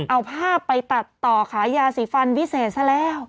เอาภาพไปตัดต่อขายยาสีฟันวิเศษซะแล้ว